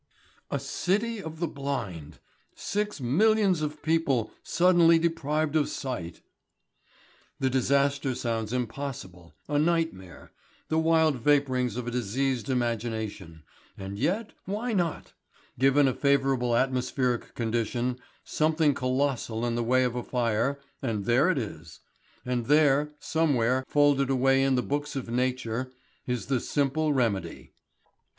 A city of the blind! Six millions of people suddenly deprived of sight! The disaster sounds impossible a nightmare, the wild vapourings of a diseased imagination and yet why not? Given a favourable atmospheric condition, something colossal in the way of a fire, and there it is. And there, somewhere folded away in the book of Nature, is the simple remedy.